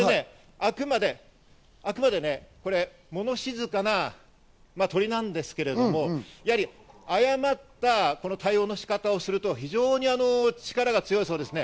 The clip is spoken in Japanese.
あくまで物静かな鳥なんですけれども、誤った対応の仕方をすると非常に力が強いそうです。